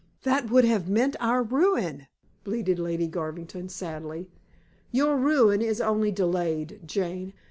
"That would have meant our ruin," bleated Lady Garvington, sadly. "Your ruin is only delayed, Jane.